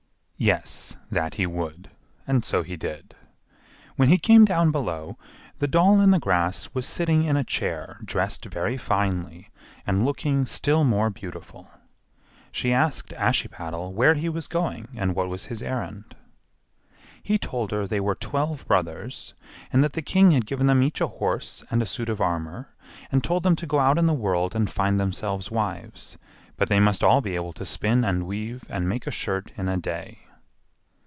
Yes, that he would; and so he did. When he came down below, the doll in the grass was sitting in a chair dressed very finely and looking still more beautiful. She asked Ashiepattle where he was going and what was his errand. He told her they were twelve brothers, and that the king had given them each a horse and a suit of armor, and told them to go out in the world and find themselves wives, but they must all be able to spin and weave and make a shirt in a day.